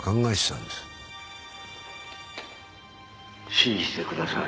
「信じてください」